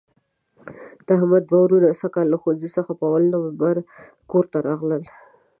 د احمد دوه وروڼه سږ کال له ښوونځي څخه په اول لمبر کورته راغلل.